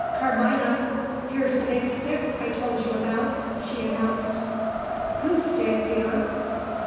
"Carmina! here's the big stick, I told you about," she announced. "Whose stick, dear?"